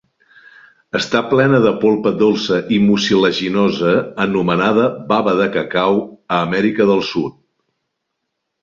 Està plena de polpa dolça i mucilaginosa anomenada 'bava de cacau' a Amèrica del Sud.